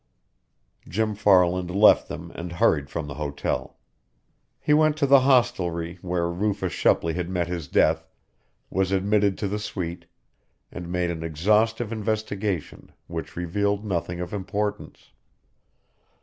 Jim Farland left them and hurried from the hotel. He went to the hostelry where Rufus Shepley had met his death, was admitted to the suite, and made an exhaustive investigation, which revealed nothing of importance.